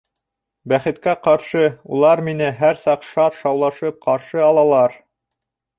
Бәхеткә ҡаршы, улар мине һәр саҡ шат шаулашып ҡаршы алалар.